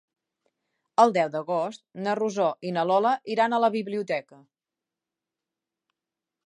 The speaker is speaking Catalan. El deu d'agost na Rosó i na Lola iran a la biblioteca.